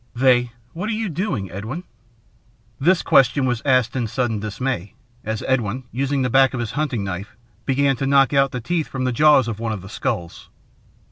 They what are you doing, Edwin?" This question was asked in sudden dismay, as Edwin, using the back of his hunting knife, began to knock out the teeth from the jaws of one of the skulls.